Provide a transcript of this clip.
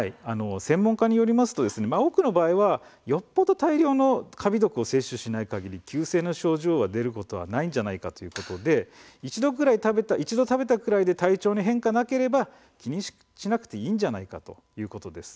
専門家によりますとよほど大量のカビ毒を摂取しないかぎり急性の症状は出ることはないのではないかということで一度食べたくらいで体調に変化がなければ気にしなくていいんじゃないかということです。